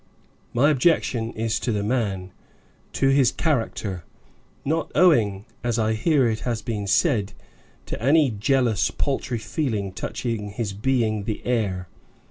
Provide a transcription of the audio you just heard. My objection is to the man to his character; not owing, as I hear it has been said, to any jealous paltry feeling touching his being the heir.